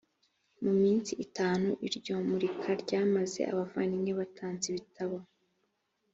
mu minsi itanu iryo murika ryamaze abavandimwe batanze ibitabo